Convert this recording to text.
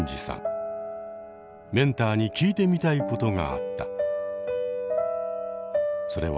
メンターに聞いてみたいことがあった。